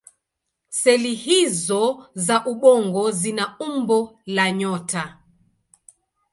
Seli hizO za ubongo zina umbo la nyota.